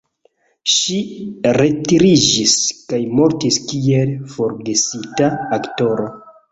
Ŝi retiriĝis kaj mortis kiel forgesita aktoro.